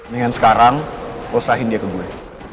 dengan sekarang gue selahin dia ke gue